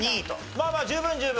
まあまあ十分十分。